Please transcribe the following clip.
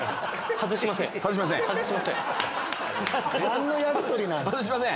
外しません！